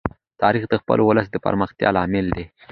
تاریخ د خپل ولس د پراختیا لامل دی.